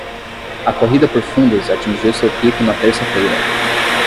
A corrida por fundos atingiu seu pico na terça-feira.